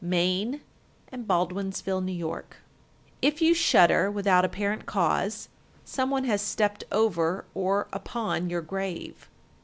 Maine and Baldwinsville, N.Y. 1371. If you shudder without apparent cause, some one has stepped over or upon your grave.